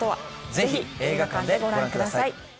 ぜひ映画館でご覧ください。